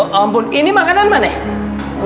ya ampun ini makanan mana